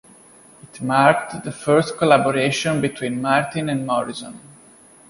It marked the first collaboration between Martin and Morrison.